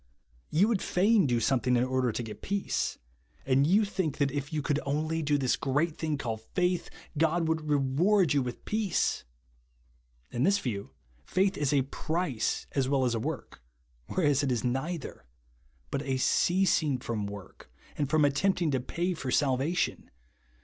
You would fain do something in order to get peace, and you think that if * Trail. TKE WANT OF FOWER TO BELIEVE. 1 if you could only do this great thing called faith, God would reward you with peace, In this view, faith is a ■price as w^ell as a ivorh ; whereas it is neither ; but a ceasing from v:or],: and from attemptiug to ]j(^y for salvation.